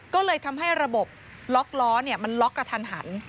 ก็เลยทำให้ระบบล็อกล้อมันล็อกกระทันหัน